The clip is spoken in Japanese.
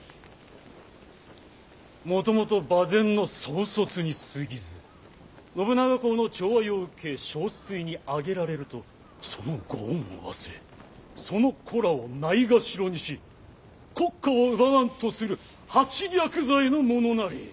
「もともと馬前の走卒にすぎず信長公の寵愛を受け将帥にあげられるとそのご恩を忘れその子らをないがしろにし国家を奪わんとする八逆罪の者なり。